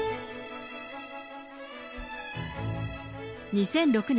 ２００６年、